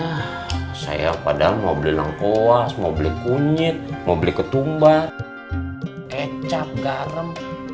nah saya padahal mau beli nongkoas mau beli kunyit mau beli ketumbar kecap garam